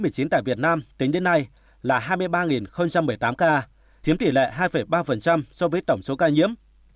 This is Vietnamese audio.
tổng số ca tử vong tại việt nam tính đến nay là hai mươi ba bảy mươi tám ca chiếm tỷ lệ hai ba so với tổng số ca nhiễm